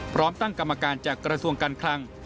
พร้อมตั้งกรรมการจากกระทรวงการคลัง